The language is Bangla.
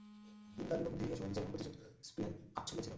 হিন্দার বিবেক-বুদ্ধি এ সময় বিজয় এবং প্রতিশোধ স্পৃহায় আচ্ছন্ন ছিল।